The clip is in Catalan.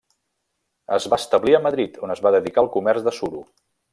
Es va establir a Madrid, on es va dedicar al comerç de suro.